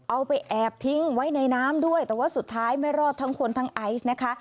เอาไปแอบทิ้งไว้ในน้ำด้วยแต่ว่าสุดท้ายไม่รอดทั้งคนทั้งไอซ์นะคะ